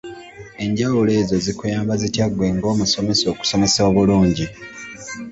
Enjawulo ezo zikuyamba zitya ggwe ng'omusomesa okusomesa obulungi?